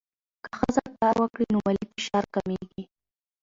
که ښځه کار وکړي، نو مالي فشار کمېږي.